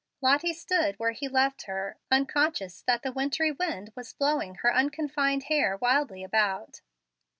Lottie stood where he left her, unconscious that the wintry wind was blowing her unconfined hair wildly about.